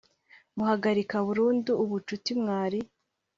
Muhagarika burundu ubucuti mwari